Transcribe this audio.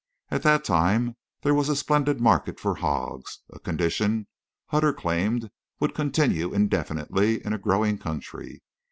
At that time there was a splendid market for hogs, a condition Hutter claimed would continue indefinitely in a growing country.